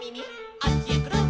「どっちへくるん」